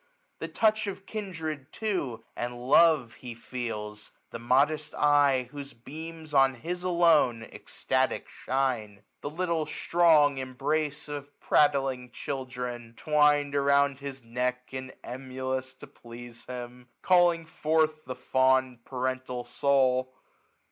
yhe: touch of kindred too and love he feels ; The modest eye, whose beams on his alone Extatic shine ; the little strong embrace Of prattling children, twin'd around his neck, 1 340 And emulous to please him, calling forth The fond parental soul.